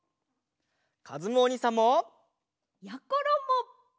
かずむおにいさんも！やころも！